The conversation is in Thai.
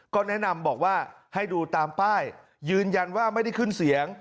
ก็แนะนำบอกว่าให้ดูตามป้ายยืนยันว่าไม่ได้ขึ้นเสียง